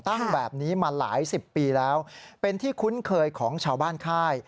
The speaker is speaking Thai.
ตั้งแบบนี้มาหลายสิบปีแล้วเป็นที่คุ้นเคยของชาวบ้านค่าย